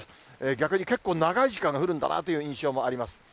逆に結構長い時間、降るんだなという印象もあります。